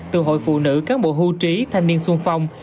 từ hội phụ nữ cán bộ hưu trí thanh niên sung phong